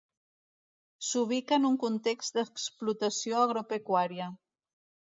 S'ubica en un context d'explotació agropecuària.